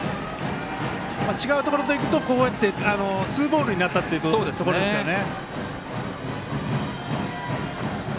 違うところといくとこうやって、ツーボールになったというところですよね。